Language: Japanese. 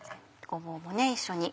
ごぼうも一緒に。